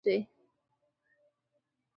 ځکه نور نشم ليدلى سترګې مې پرې سوزي.